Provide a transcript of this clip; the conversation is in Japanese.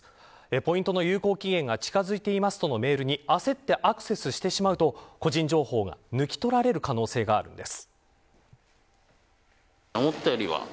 ポイントの有効期限が近づいています、とのメールに焦ってアクセスしてしまうと個人情報が抜き取られる可能性があるんです。